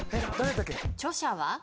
著者は？